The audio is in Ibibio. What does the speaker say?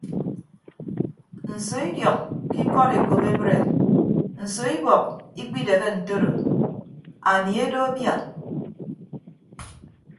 Nso idiọñ ke ikọd ekop ebre nso ibọk ikpidehe ntoro anie edo abia.